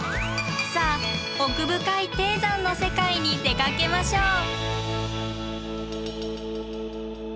さあ奥深い低山の世界に出かけましょう！